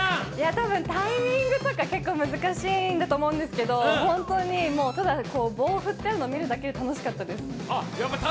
多分、タイミングとか結構難しいんだと思うんですけどただ棒を振ってるの見るだけで楽しかったです。